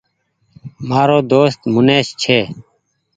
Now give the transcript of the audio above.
مآرو دوست منيش ڇي